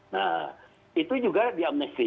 nah itu juga di amnesti